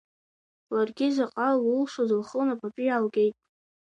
Ларгьы заҟа лылшоз лхы лнапаҿы иаалгеит.